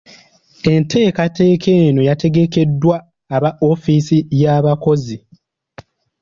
Enteekateeka eno yategekeddwa aba ofiisi y’abakozi.